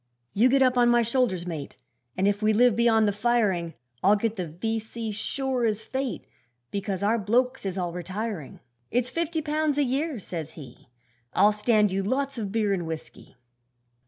'You get up on my shoulders, mate, And if we live beyond the firing, I'll get the V.C. sure as fate, Because our blokes is all retiring. 'It's fifty pounds a year,' says he, 'I'll stand you lots of beer and whisky.'